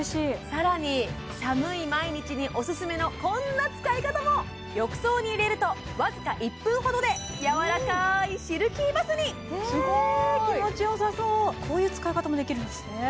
さらに寒い毎日におすすめのこんな使い方も浴槽に入れるとわずか１分ほどでやわらかいシルキーバスにすごい気持ちよさそうこういう使い方もできるんですね